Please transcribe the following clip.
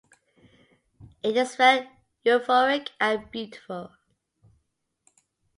It just felt euphoric and beautiful.